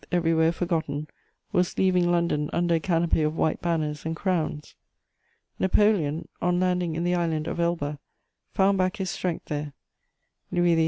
everywhere forgotten, was leaving London under a canopy of white banners and crowns. Napoleon, on landing in the island of Elba, found back his strength there. Louis XVIII.